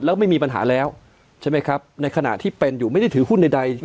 แล้วไม่มีปัญหาแล้วใช่ไหมครับในขณะที่เป็นอยู่ไม่ได้ถือหุ้นใด